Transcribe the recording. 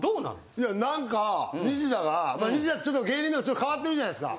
いや何かニシダがニシダってちょっと芸人でも変わってるじゃないですか。